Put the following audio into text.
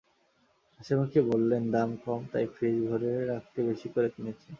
হাসিমুখে বললেন, দাম কম, তাই ফ্রিজ ভরে রাখতে বেশি করে কিনেছেন।